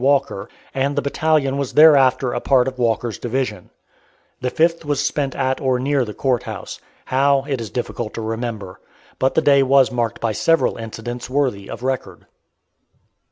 Walker, and the battalion was thereafter a part of Walker's division. The 5th was spent at or near the court house how, it is difficult to remember; but the day was marked by several incidents worthy of record.